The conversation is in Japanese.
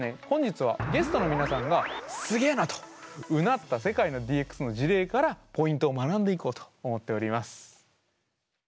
本日はゲストの皆さんが「すげえな」とうなった世界のＤＸの事例からポイントを学んでいこうと思っております。